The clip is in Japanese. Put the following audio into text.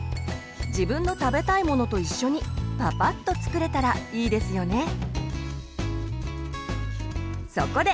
自分の食べたいものと一緒にパパッと作れたらいいですよね。